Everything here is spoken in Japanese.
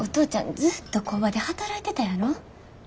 ずっと工場で働いてたやろ。